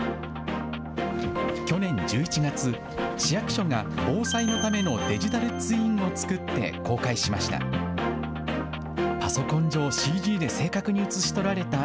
去年１１月、市役所が防災のためのデジタルツインを作って公開しました。